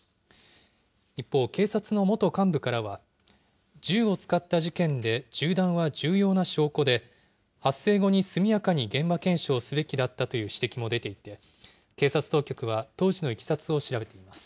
一方、警察の元幹部からは、銃を使った事件で銃弾は重要な証拠で、発生後に速やかに現場検証すべきだったという指摘も出ていて、警察当局は当時のいきさつを調べています。